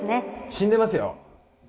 死んでますよ。